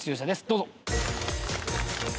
どうぞ。